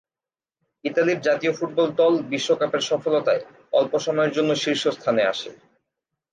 ইতালির জাতীয় ফুটবল দল বিশ্বকাপের সফলতায় অল্প সময়ের জন্য শীর্ষস্থানে আসে।